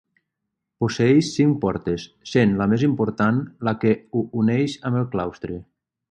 Posseeix cinc portes, sent la més important la que ho uneix amb el claustre.